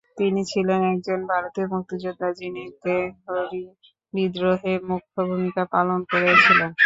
তিনি ছিলেন একজন ভারতীয় মুক্তিযোদ্ধা যিনি তেহরি বিদ্রোহে মুখ্য ভূমিকা পালন করেছিলেন।